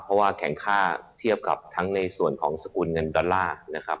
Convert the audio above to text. เพราะว่าแข่งค่าเทียบกับทั้งในส่วนของสกุลเงินดอลลาร์นะครับ